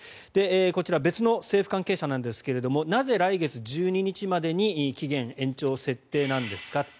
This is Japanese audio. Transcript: こちら別の政府関係者なんですがなぜ、来月１２日までに期限延長設定なんですか？と。